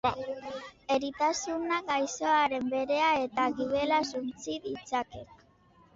Eritasunak gaixoaren barea eta gibela suntsi ditzake.